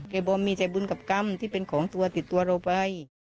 แกบอกว่ามีใจบุญกับกรรมที่เป็นของตัวติดตัวไป